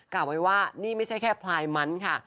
กล่าวไว้ว่านี่ไม่ใช่แค่พลายมันค่ะ